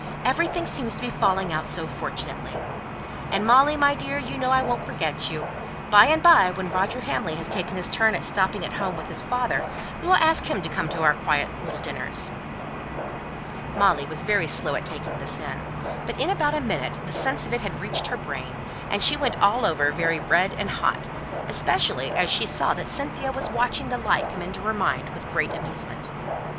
Everything seems to be falling out so fortunately. And Molly, my dear, you know I won't forget you. By and by, when Roger Hamley has taken his turn at stopping at home with his father, we will ask him to one of our little quiet dinners." Molly was very slow at taking this in; but in about a minute the sense of it had reached her brain, and she went all over very red and hot; especially as she saw that Cynthia was watching the light come into her mind with great amusement.